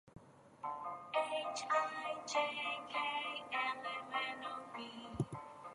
The district is currently represented by Democrat Rosa DeLauro.